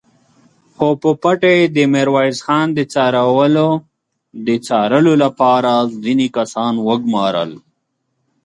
خو په پټه يې د ميرويس خان د څارلو له پاره ځينې کسان وګومارل!